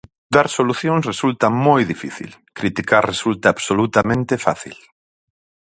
Dar solucións resulta moi difícil, criticar resulta absolutamente fácil.